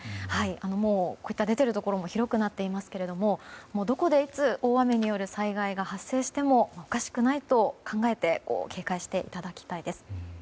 もうこういった出ているところも広くなっていますがどこでいつ、大雨による災害が発生してもおかしくないと考えて警戒していただきたいです。